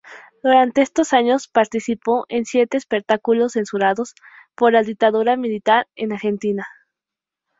Durante estos años, participó en siete espectáculos censurados por la dictadura militar en Argentina.